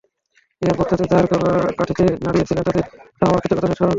ইহার পশ্চাতে যাঁহারা কলকাঠি নাড়িয়াছিলেন, তাঁহাদের অবদান আমরা কৃতজ্ঞতার সহিত স্মরণ করি।